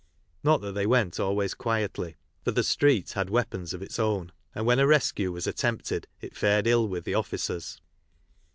Not that they went always quietly, for "the Street" had weapons of its own, and when a rescue was attempted it fared ill with the officers.